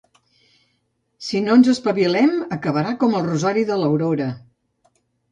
Si no ens espavilem, acabarà com el rosari de l'Aurora.